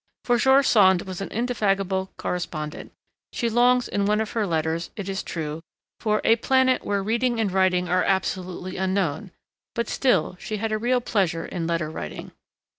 For George Sand was an indefatigable correspondent; she longs in one of her letters, it is true, for 'a planet where reading and writing are absolutely unknown,' but still she had a real pleasure in letter writing.